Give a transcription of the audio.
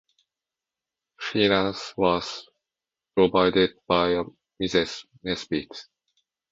Finance was provided by a Mrs. Nesbit.